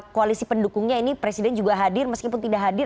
koalisi pendukungnya ini presiden juga hadir meskipun tidak hadir